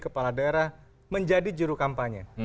kepala daerah menjadi juru kampanye